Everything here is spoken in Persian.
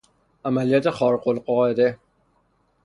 عملیات خارق القاعده